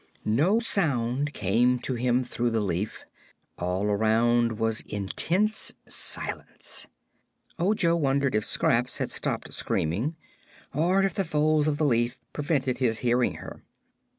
No sound came to him through the leaf; all around was intense silence. Ojo wondered if Scraps had stopped screaming, or if the folds of the leaf prevented his hearing her.